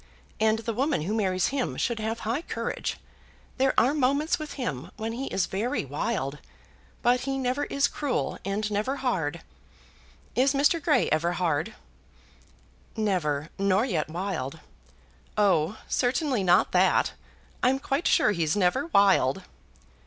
And the woman who marries him should have high courage. There are moments with him when he is very wild; but he never is cruel and never hard. Is Mr. Grey ever hard?" "Never; nor yet wild." "Oh, certainly not that. I'm quite sure he's never wild."